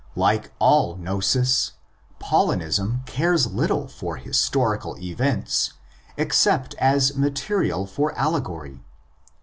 Like all gnosis, Paulinism cares little for historical events except as material for allegory.